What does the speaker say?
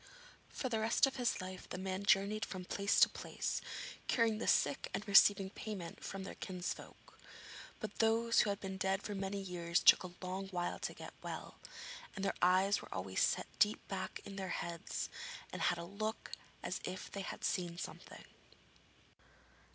For the rest of his life the man journeyed from place to place, curing the sick and receiving payment from their kinsfolk. But those who had been dead for many years took a long while to get well, and their eyes were always set deep back in their heads, and had a look as if they had seen something.